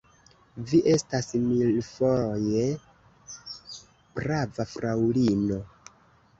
Vi estas milfoje prava, fraŭlino.